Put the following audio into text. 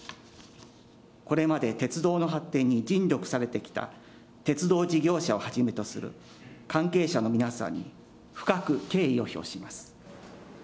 これまで鉄道の発展に尽力されてきた鉄道事業者をはじめとする関係者の皆さんに深く敬意を表します。